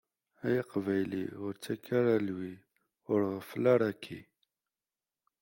Ay Aqbayli ur ttakk ara lwi, ur ɣeffel ara, aki.